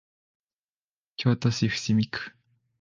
京都市伏見区